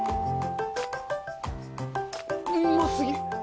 うま過ぎ！